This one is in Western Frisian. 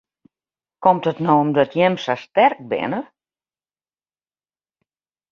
Komt it no omdat jim sa sterk binne?